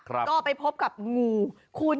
แล้วก็พบกับงูห่าว